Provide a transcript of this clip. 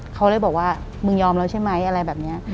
เขาเลยบอกว่ามึงยอมแล้วใช่ไหมอะไรแบบนี้